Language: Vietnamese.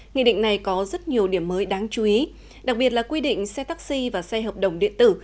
nghị định này có rất nhiều điểm mới đáng chú ý đặc biệt là quy định xe taxi và xe hợp đồng điện tử